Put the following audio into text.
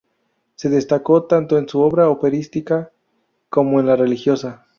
Se destacó tanto en su obra operística como en la religiosa.